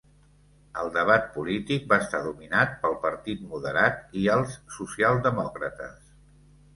El debat polític va estar dominat pel Partit Moderat i els Socialdemòcrates.